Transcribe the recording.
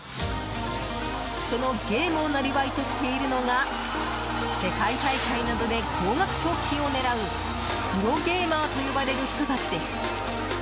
そのゲームを生業としているのが世界大会などで高額賞金を狙うプロゲーマーと呼ばれる人たちです。